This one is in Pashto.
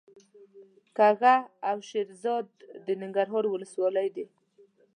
کږه او شیرزاد د ننګرهار ولسوالۍ دي.